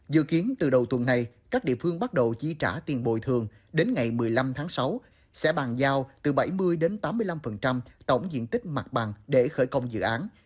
dự kiến từ đầu tuần này các địa phương bắt đầu chi trả tiền bồi thường đến ngày một mươi năm tháng sáu sẽ bàn giao từ bảy mươi đến tám mươi năm tổng diện tích mặt bằng để khởi công dự án